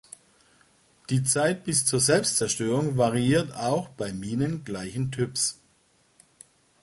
Die Zeit bis zur Selbstzerstörung variiert auch bei Minen gleichen Typs.